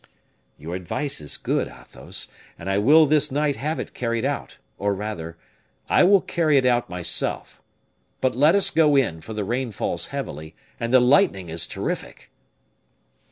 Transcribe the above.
"Your advice is good, Athos, and I will this night have it carried out, or rather, I will carry it out myself; but let us go in, for the rain falls heavily, and the lightning is terrific."